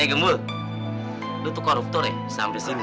eh gembul lo tuh koruptor ya sampai sini